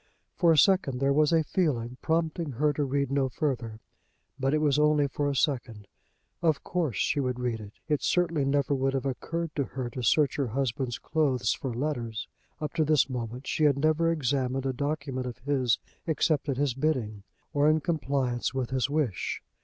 For a second there was a feeling prompting her to read no further. But it was only for a second. Of course she would read it. It certainly never would have occurred to her to search her husband's clothes for letters. Up to this moment she had never examined a document of his except at his bidding or in compliance with his wish.